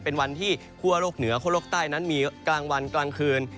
เป็นวันที่คั่วโลกเหนือคั่วโลกใต้นั้นมีกลางวันกลางคืน